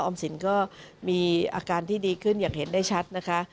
อมสินก็มีอาการที่ดีขึ้นอย่างเห็นได้ชัดนะคะ